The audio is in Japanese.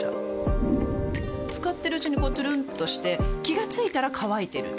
使ってるうちにこうトゥルンとして気が付いたら乾いてる